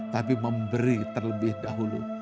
tapi memberi terlebih dahulu